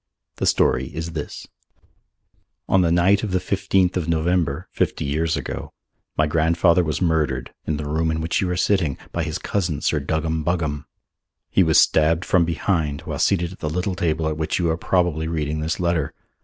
"The story is this: "On the night of the fifteenth of November, fifty years ago, my grandfather was murdered in the room in which you are sitting, by his cousin, Sir Duggam Buggam. He was stabbed from behind while seated at the little table at which you are probably reading this letter.